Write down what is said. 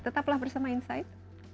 tetaplah bersama insight